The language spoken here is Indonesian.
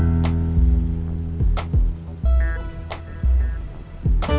ya pak juna